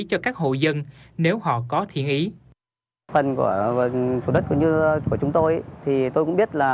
cho các hộ dân nếu họ có thiện ý